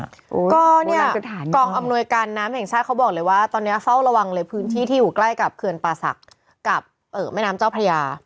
ก็เนี่ยกองอำนวยการน้ำแห่งชาติเขาบอกเลยว่าตอนนี้เฝ้าระวังเลยพื้นที่ที่อยู่ใกล้กับเขื่อนป่าศักดิ์กับแม่น้ำเจ้าพระยา